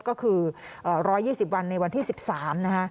ก็คือ๑๒๐วันในวันที่๑๓นะคะ